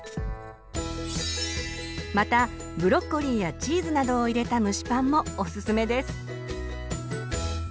またブロッコリーやチーズなどを入れた蒸しパンもおすすめです。